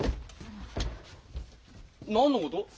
何のこと？